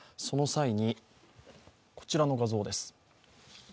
その際に、こちらの画像です。